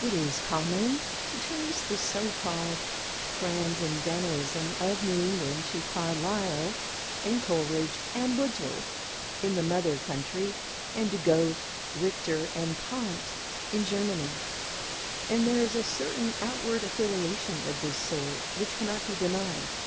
It is common to trace the so called Transcendentalism of New England to Carlyle and Coleridge and Wordsworth in the mother country, and to Goethe, Richter, and Kant in Germany; and there is a certain outward affiliation of this sort, which cannot be denied.